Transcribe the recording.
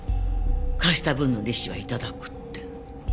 貸した分の利子は頂くって。